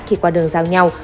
khi qua đường giao nhau